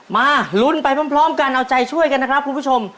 มาลุ้นไปพร้อมกันเอาใจช่วยกันนะครับคุณผู้ชม